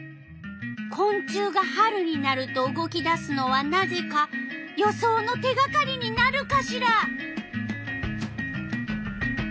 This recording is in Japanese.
こん虫が春になると動き出すのはなぜか予想の手がかりになるかしら？